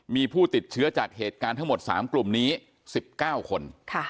มีผู้ติดเชื้อจากเหตุการณ์ทั้งหมด๓กลุ่มนี้๑๙คน